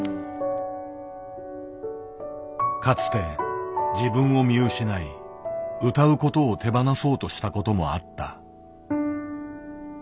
かつて自分を見失い歌うことを手放そうとしたこともあった。